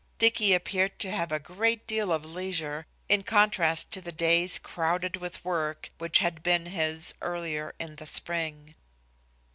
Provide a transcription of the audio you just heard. Dicky appeared to have a great deal of leisure, in contrast to the days crowded with work, which had been his earlier in the spring.